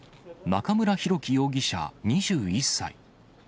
中村博樹容疑者２１歳。